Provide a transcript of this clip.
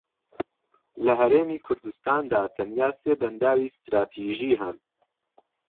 لە هەرێمی کوردستاندا تەنیا سێ بەنداوی ستراتیژی هەن